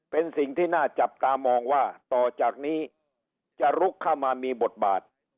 เป็นสิ่งที่น่าจับตามองว่าต่อจากนี้จะลุกเข้ามามีบทบาท